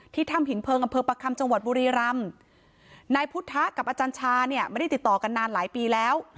ที่ทำหินเผิงอำเภอกวัคคำจังหวัดบุรีรัมพุทธะกับอาจารย์ชานั้นมันไม่ได้ติดต่อกันนานหลายปีแล้ว